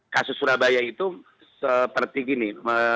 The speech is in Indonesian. kasus surabaya itu seperti gini